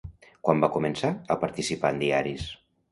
Quan va començar a participar en diaris?